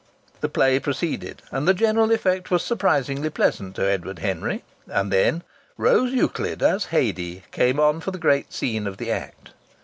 The play proceeded, and the general effect was surprisingly pleasant to Edward Henry. And then Rose Euclid as Haidee came on for the great scene of the act.